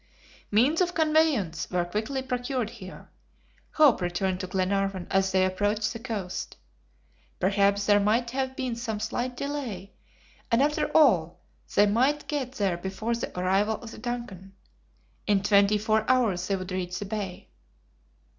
Means of conveyance were quickly procured here. Hope returned to Glenarvan as they approached the coast. Perhaps there might have been some slight delay, and after all they might get there before the arrival of the DUNCAN. In twenty four hours they would reach the bay.